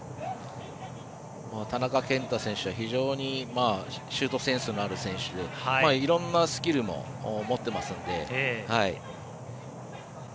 田中健太選手は非常にシュートセンスのある選手でいろんなスキルも持ってますので。